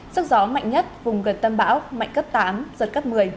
sức gió mạnh nhất vùng gần tâm bão mạnh cấp tám giật cấp một mươi